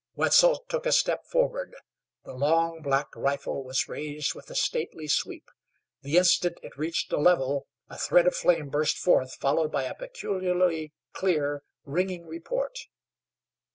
Wetzel took a step forward; the long, black rifle was raised with a stately sweep. The instant it reached a level a thread of flame burst forth, followed by a peculiarly clear, ringing report.